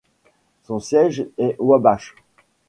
Son siège est Wabash.